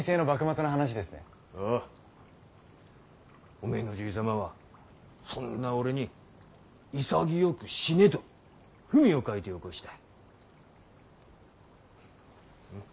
おめぇのじい様はそんな俺に「潔く死ね」と文を書いてよこした。